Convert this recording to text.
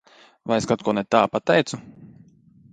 Vai es kaut ko ne tā pateicu?